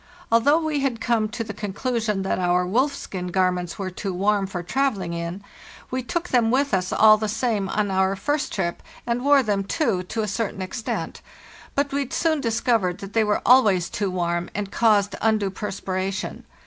Although we had come to the con clusion that our wolfskin garments were too warm for travelling in, we took them with us all the same on our WE MAKE A START 115 first trip, and wore them too, to a certain extent; but we soon discovered that they were always too warm, and caused undue perspiration.